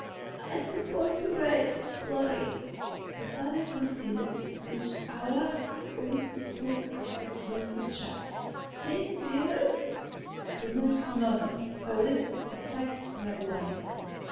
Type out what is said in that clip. "I suppose you're right, Florry," the father conceded, with a last solicitous look at the exhausted child. "Miss Beaver...?" The nurse nodded, her lips a tight red line.